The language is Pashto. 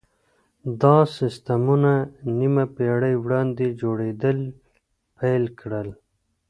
دا سيستمونه نيمه پېړۍ وړاندې جوړېدل پيل کړل.